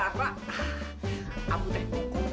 abah aku tak hukum